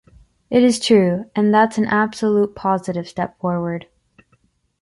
It is true, and that’s an absolute positive step forward.